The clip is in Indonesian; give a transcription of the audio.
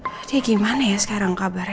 jadi gimana ya sekarang kabarnya